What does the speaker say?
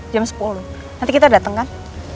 jam sepuluh nanti kita dateng kan